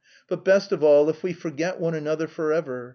But best of all if we forget one another forever.